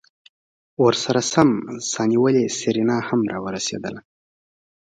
ورسرہ سم سا نيولې سېرېنا هم راورسېدله.